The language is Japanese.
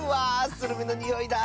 スルメのにおいだ！